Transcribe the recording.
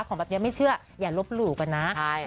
ของแบบนี้ไม่เชื่ออย่าลบหลู่ก่อนนะ